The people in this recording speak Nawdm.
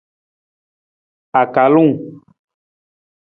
Akulung.